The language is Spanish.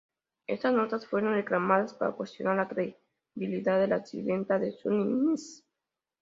Estas notas fueron reclamadas para cuestionar la credibilidad de la sirvienta de Sunny, Ms.